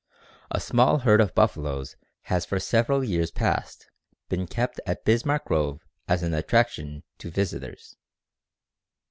_ A small herd of buffaloes has for several years past been kept at Bismarck Grove as an attraction to visitors.